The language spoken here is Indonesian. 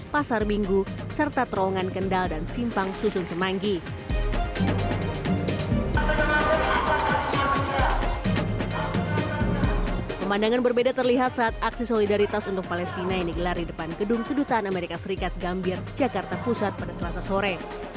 pemandangan berbeda terlihat saat aksi solidaritas untuk palestina yang digelar di depan gedung kedutaan amerika serikat gambir jakarta pusat pada selasa sore